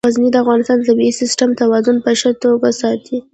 غزني د افغانستان د طبعي سیسټم توازن په ښه توګه ساتي.